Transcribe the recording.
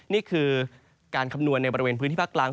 นี่คือการคำนวณในบริเวณพื้นที่ภาคกลาง